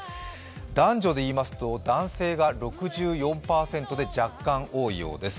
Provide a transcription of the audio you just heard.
男女でいいますと男性が６４％で若干多いようです。